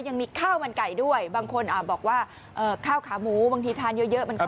ยังมีข้าวมันไก่ด้วยบางคนบอกว่าข้าวขาหมูบางทีทานเยอะมันก็